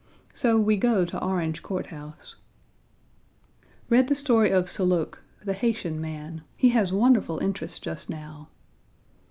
So we go to Orange Court House. Read the story of Soulouque,1 the Haytian man: he has wonderful interest just now.